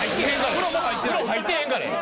風呂入ってへんからや。